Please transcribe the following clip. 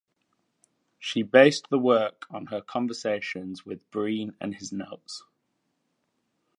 She based the work on her conversations with Breen and his notes.